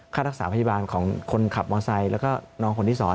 ค่ารักษาพยาบาลของคนขับมอไซค์แล้วก็น้องคนที่๒